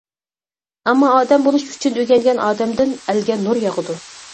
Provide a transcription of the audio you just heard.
ئەمما ئادەم بولۇش ئۈچۈن ئۆگەنگەن ئادەمدىن ئەلگە نۇر ياغىدۇ.